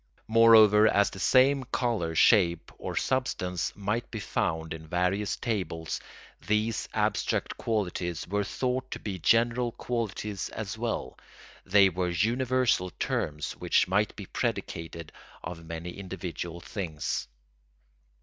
Moreover, as the same colour, shape, or substance might be found in various tables, these abstract qualities were thought to be general qualities as well; they were universal terms which might be predicated of many individual things.